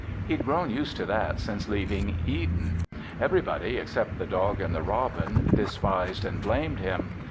He'd grown used to that since leaving Eden. Everybody, except the dog and the robin, despised and blamed him.